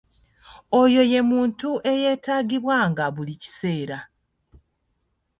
Oyo ye muntu eyeetaagibwanga buli kiseera.